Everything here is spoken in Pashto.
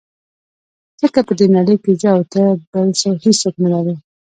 ځکه په دې نړۍ کې زه او ته بل هېڅوک نه لرو.